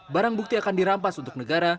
barang bukti akan dirampas untuk negara